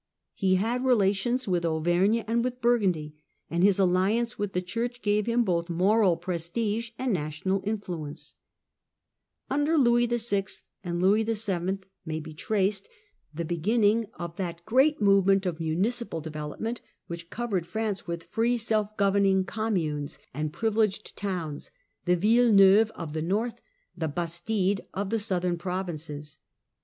He had relations with Auvergne and with Burgundy, and his alliance with the Church gave him both moral prestige and national influence. ^.^^^^^^^ Under Louis VI. and Louis VII. may be traced the Communes 110 THE CENTRAL PERIOD OF THE MIDDLE AGE beginning of that great movement of municipal develop ment which covered France with free self governing communes and privileged towns, the villes neuves of the North, the hastides of the southern provinces.